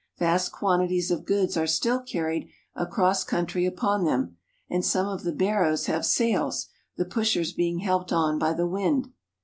Vast quanti ties of goods are still carried across country upon them, and some of the barrows have sails, the pushers being helped on by the wind.